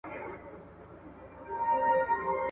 د پرمختګ په لاره کي ډېر لوی خنډ جوت سوی دئ